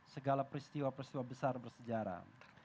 segala peristiwa peristiwa besar bersejarah